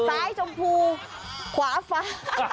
ซ้ายชมพูขวาฟ้า